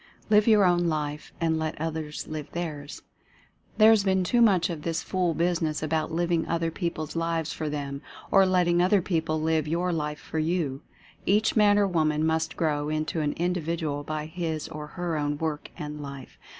LIVE YOUR OWN LIFE AND LET OTHERS LIVE THEIRS. There has been too much of this fool business about living other people's lives for them, or letting other people live your life for you. Each man or woman must grow into an Individual by his or her own work and life.